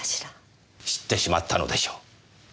知ってしまったのでしょう。